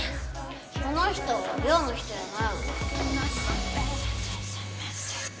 この人寮の人やないよな？